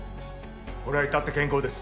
俺は至って健康です。